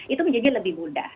itu menjadi lebih mudah